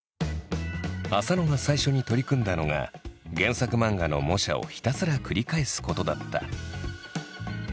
浅野が最初に取り組んだのが原作漫画の模写をひたすら繰り返すことだった。